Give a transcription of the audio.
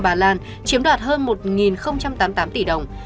bà lan chiếm đoạt hơn một tám mươi tám tỷ đồng